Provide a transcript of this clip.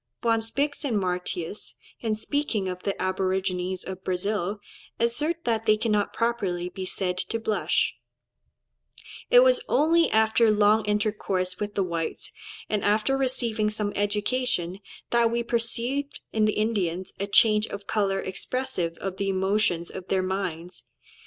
Von Spix and Martius, in speaking of the aborigines of Brazil, assert that they cannot properly be said to blush; "it was only after long intercourse with the whites, and after receiving some education, that we perceived in the Indians a change of colour expressive of the emotions of their minds."